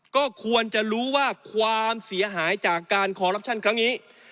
ก็ควรจะรู้ว่าความเสียหายจากการคอรัปชั่นครั้งนี้